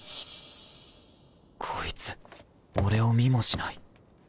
こいつ俺を見もしない